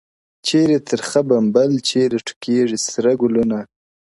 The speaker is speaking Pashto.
چيري ترخه بمبل چيري ټوکيږي سره ګلونه,